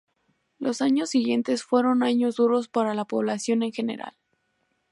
Los años siguientes, fueron años duros para la población en general.